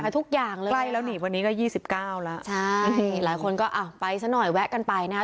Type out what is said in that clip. ขายทุกอย่างเลยค่ะใช่หลายคนก็ไปสักหน่อยแวะกันไปนะฮะ